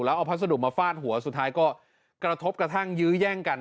แล้วเอาพัสดุมาฟาดหัวสุดท้ายก็กระทบกระทั่งยื้อแย่งกัน